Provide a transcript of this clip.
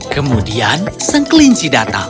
kemudian sang kelinci datang